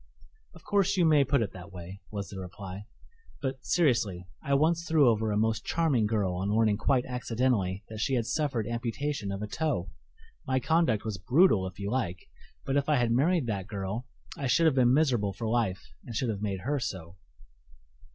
"Of course you may put it that way," was the reply; "but, seriously, I once threw over a most charming girl on learning quite accidentally that she had suffered amputation of a toe. My conduct was brutal if you like, but if I had married that girl I should have been miserable for life and should have made her so."